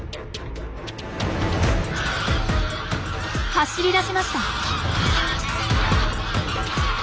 走り出しました。